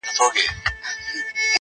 • په شپېلۍ د اسرافیل ګوندي خبر سو -